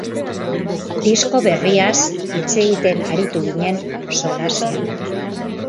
Disko berriaz hitz egiten aritu ginen solasean.